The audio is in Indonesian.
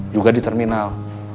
juga di terminal